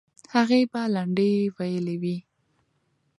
هغې به لنډۍ ویلې وي.